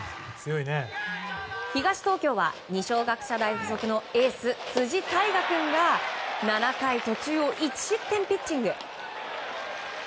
東東京は二松学舎大付属のエース、辻大雅君が７回途中を１失点ピッチング。